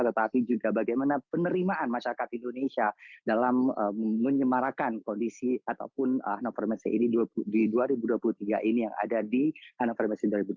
tetapi juga bagaimana penerimaan masyarakat indonesia dalam menyemarakan kondisi ataupun hannover messe ini di dua ribu dua puluh tiga ini yang ada di hannover messe dua ribu dua puluh